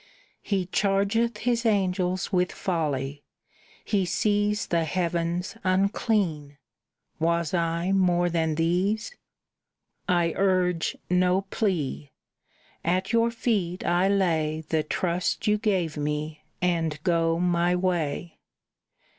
He chargeth His angels with folly; He sees The heavens unclean. Was I more than these? "I urge no plea. At your feet I lay The trust you gave me, and go my way.